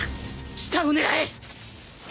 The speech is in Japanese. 舌を狙え！